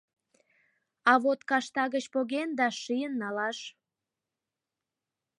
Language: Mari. А вот кашта гыч поген да шийын налаш...